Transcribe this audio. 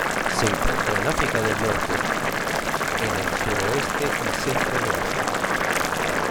Se encuentra en África del Norte, en el suroeste y centro de Asia.